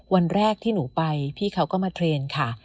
วันแรกที่หนูไปพี่เขาก็มาเทรนด์ค่ะ